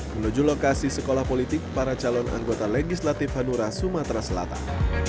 menuju lokasi sekolah politik para calon anggota legislatif hanura sumatera selatan